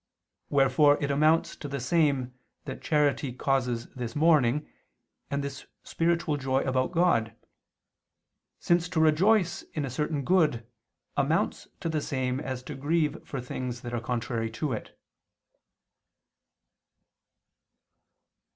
Wherefore it amounts to the same that charity causes this mourning, and this spiritual joy about God, since to rejoice in a certain good amounts to the same as to grieve for things that are contrary to it.